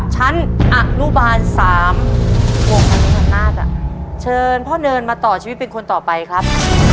เชิญพ่อเนินนมาต่อชีวิตเป็นคนต่อไปครับ